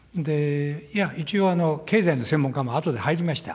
一応、経済の専門家もあとで入りました。